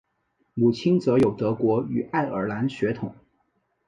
母亲则有德国与爱尔兰血统